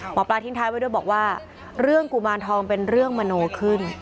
หมอปลาทิ้งท้ายไว้ด้วยบอกว่าเรื่องกุมารทองเป็นเรื่องมโนขึ้น